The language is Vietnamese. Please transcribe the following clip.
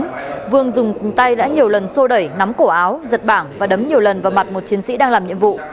trần minh vương dùng tay đã nhiều lần xô đẩy nắm cổ áo giật bảng và đấm nhiều lần vào mặt một chiến sĩ đang làm nhiệm vụ